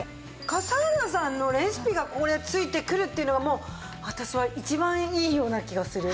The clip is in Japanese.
笠原さんのレシピが付いてくるっていうのは私は一番いいような気がする。